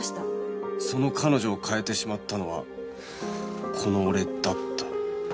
その彼女を変えてしまったのはこの俺だった